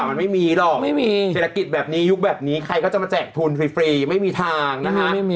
มันไม่มีหรอกไม่มีเศรษฐกิจแบบนี้ยุคแบบนี้ใครก็จะมาแจกทุนฟรีไม่มีทางนะฮะ